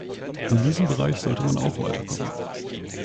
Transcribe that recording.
In diesem Bereich sollte man auch weiterkommen.